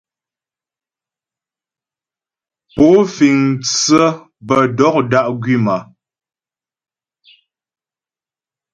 Pó fíŋ mtsə́ bə dɔ̀k dá' gwím a ?